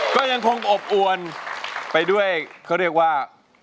ก็ยังคงอบอวนไปด้วยเขาเรียกว่า